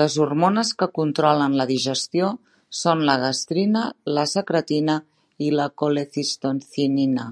Les hormones que controlen la digestió són la gastrina, la secretina i la colecistocinina.